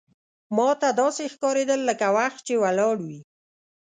ماته داسې ښکارېدل لکه وخت چې ولاړ وي.